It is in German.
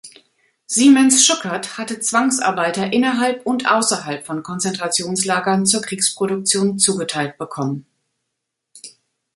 Siemens-Schuckert hatte Zwangsarbeiter innerhalb und außerhalb von Konzentrationslagern zur Kriegsproduktion zugeteilt bekommen.